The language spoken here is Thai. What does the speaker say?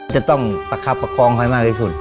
จะต้องประคับประคองให้มากที่สุด